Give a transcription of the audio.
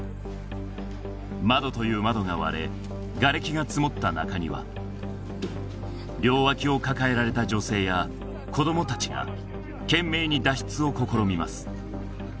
窓という窓が割れがれきが積もった中庭両脇を抱えられた女性や子どもたちが懸命に脱出を試みます